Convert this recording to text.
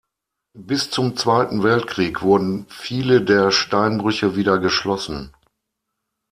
Bis zum Zweiten Weltkrieg wurden viele der Steinbrüche wieder geschlossen.